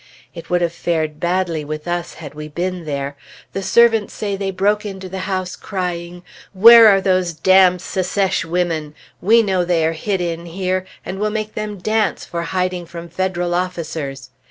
It would have fared badly with us had we been there. The servants say they broke into the house crying, "Where are those damned Secesh women? We know they are hid in here, and we'll make them dance for hiding from Federal officers!"